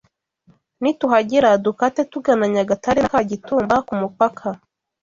nituhagera dukate tugana Nyagatare na Kagitumba ku mupaka